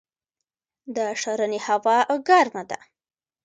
د ښرنې هوا ګرمه ده